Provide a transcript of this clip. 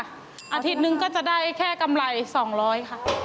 อาทิตย์นึงก็จะได้แค่กำไร๒๐๐ค่ะ